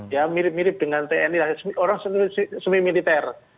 ya mirip mirip dengan tni orang semi militer